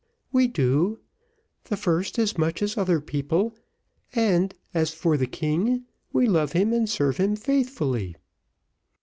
"We do; the first as much as the other people, and as for the king, we love him and serve him faithfully."